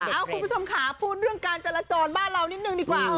คุณผู้ชมค่ะพูดเรื่องการจราจรบ้านเรานิดนึงดีกว่า